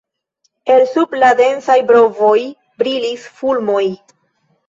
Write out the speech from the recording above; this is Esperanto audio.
El sub la densaj brovoj brilis fulmoj.